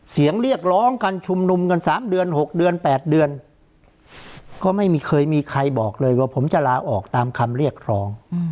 เสียงเรียกร้องการชุมนุมกัน๓เดือน๖เดือน๘เดือนก็ไม่เคยมีใครบอกเลยว่าผมจะลาออกตามคำเรียกร้อง